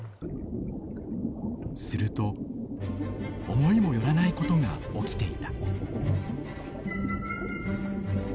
すると思いも寄らないことが起きていた。